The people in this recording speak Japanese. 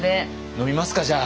飲みますかじゃあ。